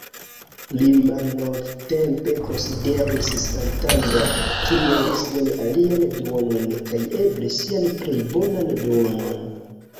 Li malnovtempe konsideris Santander kiel ""sian alian duonon, kaj eble sian plej bonan duonon"".